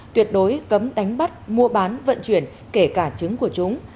tuyệt đối cấm đánh bắt mua bán vận chuyển kể cả trứng của chúng